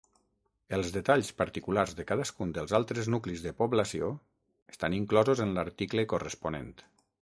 Els detalls particulars de cadascun dels altres nuclis de població estan inclosos en l'article corresponent.